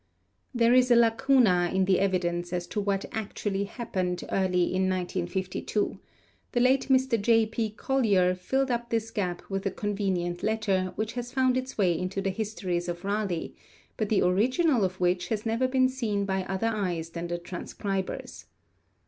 There is a lacuna in the evidence as to what actually happened early in 1592; the late Mr. J. P. Collier filled up this gap with a convenient letter, which has found its way into the histories of Raleigh, but the original of which has never been seen by other eyes than the transcriber's.